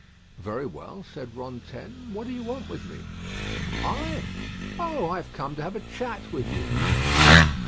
"Very well," said Rantaine. "What do you want with me?" "I! Oh, I have come to have a chat with you."